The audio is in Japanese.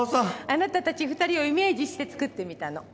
あなたたち２人をイメージして作ってみたの。